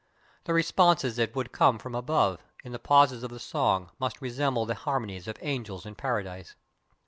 The responses that would come from above, in the pauses of the song, must resemble the harmonies of angels in Paradise.